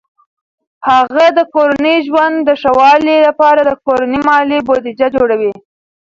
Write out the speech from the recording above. هغه د کورني ژوند د ښه والي لپاره د کورني مالي بودیجه جوړوي.